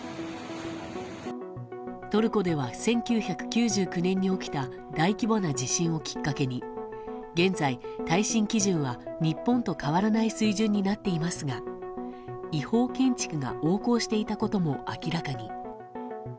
トルコでは１９９９年に起きた大規模な地震をきっかけに現在、耐震基準は日本と変わらない水準になっていますが違法建築が横行していたことも明らかに。